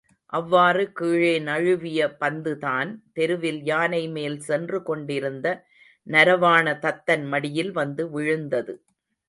அவ்வாறு கீழே நழுவிய பந்துதான், தெருவில் யானைமேல் சென்று கொண்டிருந்த நரவாண தத்தன் மடியில் வந்து விழுந்தது.